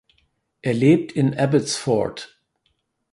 Er lebt in Abbotsford.